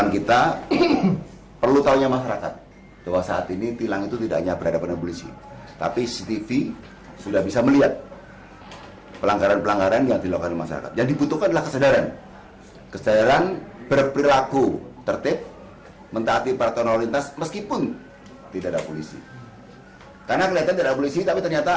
ketika penerbangan tersebar petugas mencari penyelamat